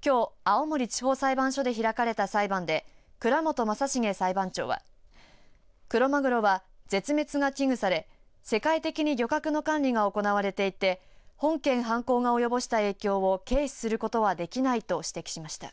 きょう青森地方裁判所で開かれた裁判で藏本匡成裁判長はクロマグロは絶滅が危惧され世界的に漁獲の管理が行われていて本件犯行が及ぼした影響を軽視することはできないと指摘しました。